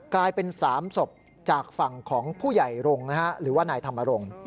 กลายเป็น๓ศพจากฝั่งของผู้ใหญ่รงค์หรือว่านายธรรมรงค์